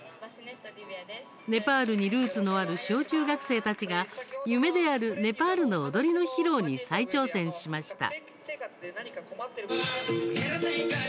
ネパールにルーツのある小中学生たちが夢であるネパールの踊りの披露に再挑戦しました。